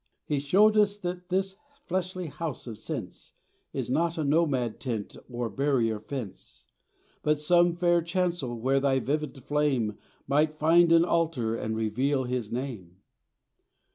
He showed us that this fleshly house of sense Is not a nomad tent or barrier fence, But some fair chancel where thy vivid flame Might find an altar and reveal His name.